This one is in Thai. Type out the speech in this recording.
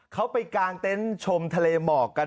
เขาไปกางเต็นต์ชมทะเลหมอกกัน